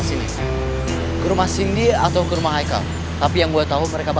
menurut saya aku udah gak sanggup lagi buat kaburin mereka